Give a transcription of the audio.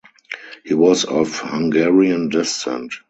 He was of Hungarian descent.